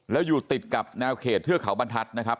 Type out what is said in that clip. แล้วอยู่ติดกับแนวเขตเทือกเขาบรรทัศน์นะครับ